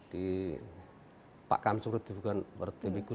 di pak kamsung di bukit wertebikun